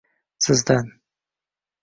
Sizdan